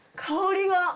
香りが。